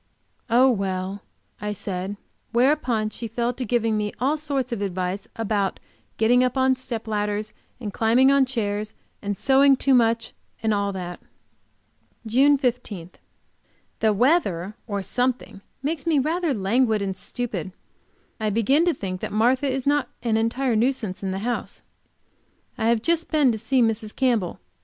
"Oh, well," I said, whereupon she fell to giving me all sorts of advice about getting up on step ladders, and climbing on chairs, and sewing too much and all that. JUNE 15. The weather, or something, makes me rather languid and stupid. I begin to think that Martha is not an entire nuisance in the house. I have just been to see Mrs. Campbell.